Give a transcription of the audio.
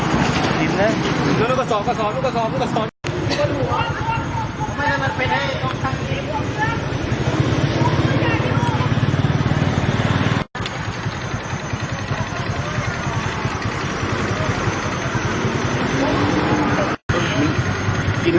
มันเคยไปได้๒ครั้งเดียว